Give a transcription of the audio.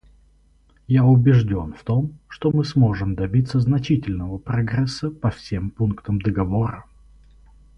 Я убежден в том, что мы сможем добиться значительного прогресса по всем пунктам договора.